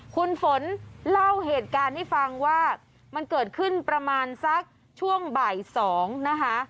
คุณฝนเล่าเหตุการณ์ให้ฟังว่ามันเกิดขึ้นประมาณสักช่วงบ่าย๒นะคะ